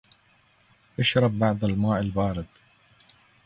اشرب بعض الماء البارد.